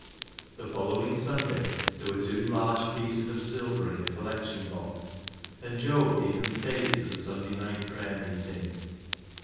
The following Sunday there were two large pieces of 394 BECKSIDE LIGHTS silver in the collection box, and Job even stayed to the Sunday night prayer meeting.